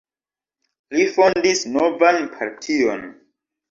Li fondis novan partion.